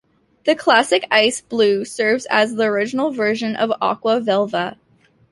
The classic ice blue serves as the original version of Aqua Velva.